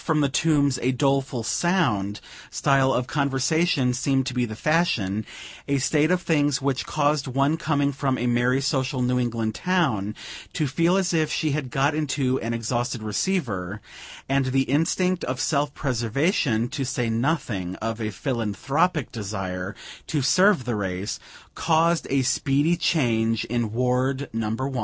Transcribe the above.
from the tombs a doleful sound" style of conversation seemed to be the fashion: a state of things which caused one coming from a merry, social New England town, to feel as if she had got into an exhausted receiver; and the instinct of self preservation, to say nothing of a philanthropic desire to serve the race, caused a speedy change in Ward No. 1.